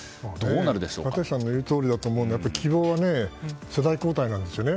立石さんの言うとおりだと思うのは希望は世代交代ですね。